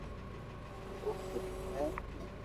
او ڪنو ھي